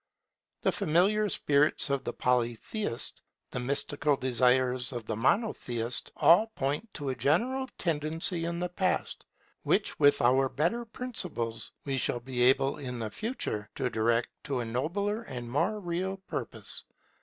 The familiar spirits of the Polytheist, the mystical desires of the Monotheist, all point to a general tendency in the Past, which, with our better principles, we shall be able in the Future to direct to a nobler and more real purpose.